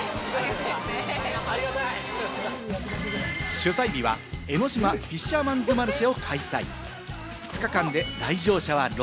取材日は江の島フィッシャーマンズマルシェを開催。